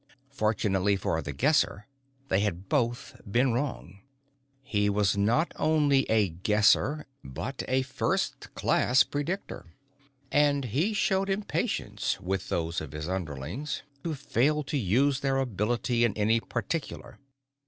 Fortunately for The Guesser, they had both been wrong. He was not only a Guesser, but a first class predictor, and he showed impatience with those of his underlings who failed to use their ability in any particular.